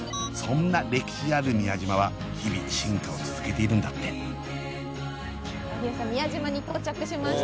そんな歴史ある宮島は日々進化を続けているんだって有吉さん